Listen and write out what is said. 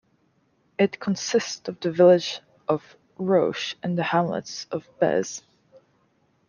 It consists of the village of Roche and the hamlets of Bez.